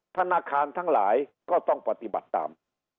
ธนาคารทั้งหลายก็ต้องปฏิบัติตาม